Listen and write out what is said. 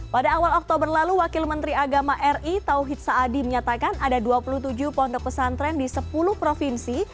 pada awal oktober lalu wakil menteri agama ri tauhid saadi menyatakan ada dua puluh tujuh pondok pesantren di sepuluh provinsi